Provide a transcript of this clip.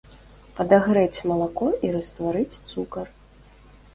Падагрэць малако і растварыць цукар.